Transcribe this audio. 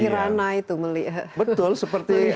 hirana itu betul seperti